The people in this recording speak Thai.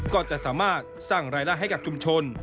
ก็จะสามารถสร้างรายได้ให้กับชุมชน